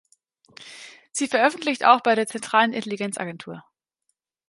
Sie veröffentlicht auch bei der Zentralen Intelligenz Agentur.